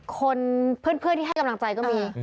คนเพื่อนที่ให้กำลังใจก็มี